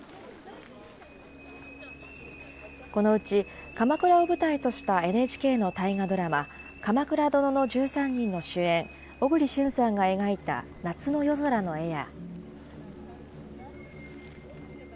このうち、鎌倉を舞台としたＮＨＫの大河ドラマ、鎌倉殿の１３人の主演、小栗旬さんが描いた夏の夜空の絵や。